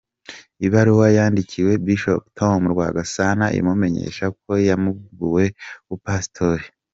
Ibaruwa yandikiwe Bishop Tom Rwagasana imumenyesha ko yambuwe ubupasitori.